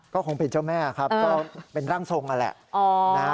ก็คงเป็นเจ้าแม่ครับก็เป็นร่างทรงนั่นแหละ